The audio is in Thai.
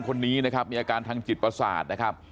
คนนี้นะครับมีอาการทางจิตประสาทนะครับ